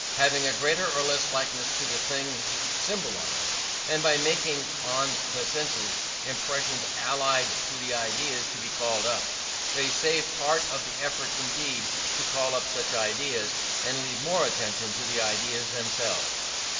have a greater or less likeness to the things symbolized; and by making on the senses impressions allied to the ideas to be called up, they save part of the effort needed to call up such ideas, and leave more attention for the ideas themselves.